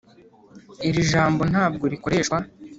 iri jambo ntabwo rikoreshwa.